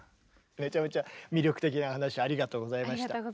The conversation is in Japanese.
めちゃめちゃ魅力的な話ありがとうございました。